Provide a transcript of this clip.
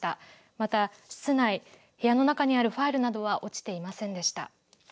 また室内、部屋の中にあるファイルなどは落ちていませんでした。